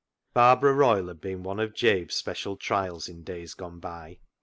Barbara Royle had been one of Jabe's special trials in days gone by.